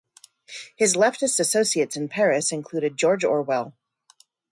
His leftist associates in Paris included George Orwell.